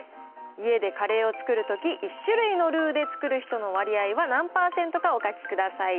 家でカレーを作るとき、１種類のルーで作る人の割合は何％か、お書きください。